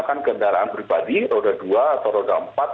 menggunakan kendaraan pribadi roda dua atau roda empat